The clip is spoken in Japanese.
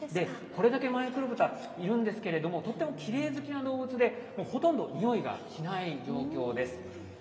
これだけマイクロブタいるんですけれども、とってもきれい好きな動物で、もうほとんど臭いがしない状況です。